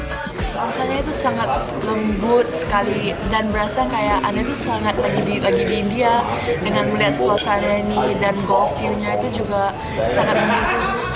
rasanya itu sangat lembut sekali dan berasa kayak anda tuh sangat lagi di india dengan melihat suasana ini dan golf you nya itu juga sangat membantu